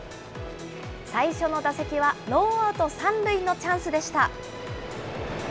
最初の打席はノーアウト３塁のチャンスでした。